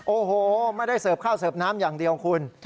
โอ้โหไม่ได้เสิร์ฟข้าวเสิร์ฟน้ำอย่างเดียวคุณ